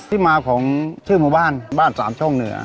ที่มาของชื่อหมู่บ้านบ้านสามช่องเหนือ